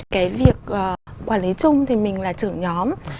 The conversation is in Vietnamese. cái việc quản lý chung thì mình là trưởng nhóm